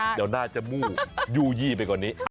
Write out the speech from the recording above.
เดี๋ยวน่าจะมู่ยี่ไปกว่านี้